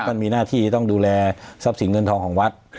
มันมีหน้าที่ต้องดูแลทรัพย์สินเงินทองของวัด